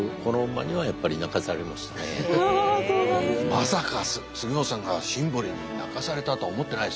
まさか杉本さんがシンボリに泣かされたとは思ってないですよ。